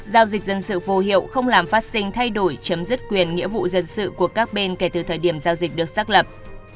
giao dịch dân sự vô hiệu không làm phát sinh thay đổi chấm dứt quyền nghĩa vụ dân sự của các bên kể từ thời điểm giao dịch được xác lập